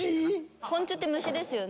昆虫って虫ですよね。